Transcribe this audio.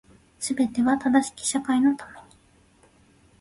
全ては正しき社会のために